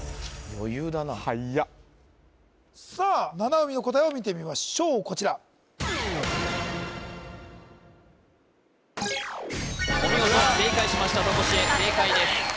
余裕だなさあ七海の答えを見てみましょうこちらお見事正解しましたとこしえ正解です